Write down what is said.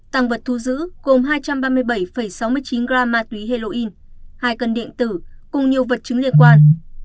tăng vật thu giữ gồm hai trăm ba mươi bảy sáu mươi chín gram ma túy heroin hai cân điện tử cùng nhiều vật chứng liên quan